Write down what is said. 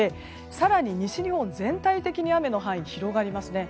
更に西日本全体的に雨の範囲が広がりますね。